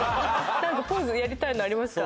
何かポーズやりたいのありますか？